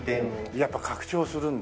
やっぱ拡張するんだ。